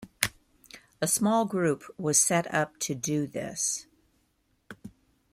A small group was set up to do this.